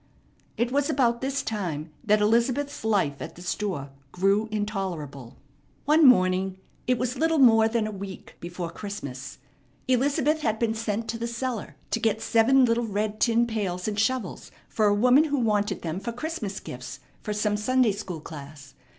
It was about this time that Elizabeth's life at the store grew intolerable. One morning it was little more than a week before Christmas Elizabeth had been sent to the cellar to get seven little red tin pails and shovels for a woman who wanted them for Christmas gifts for some Sunday school class.